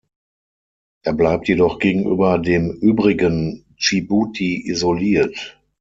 Er bleibt jedoch gegenüber dem übrigen Dschibuti isoliert.